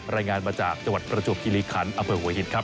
รายงานมาจากจังหวัดประจวบคิริคันอำเภอหัวหินครับ